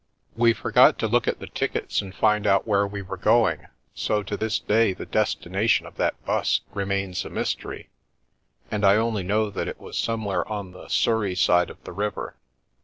We forgot to look at the tickets and find out where we were going, so to this day the destination of that 'bus remains a mystery, and I only know that it was some where on the Surrey side of the river.